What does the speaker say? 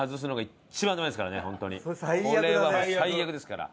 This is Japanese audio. これは最悪ですから。